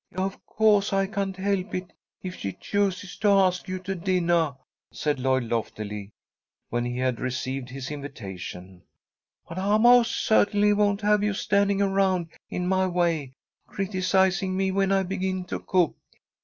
"Of co'se I can't help it if she chooses to ask you to dinnah," said Lloyd, loftily, when he had received his invitation, "but I most certainly won't have you standing around in my way, criticizing me when I begin to cook.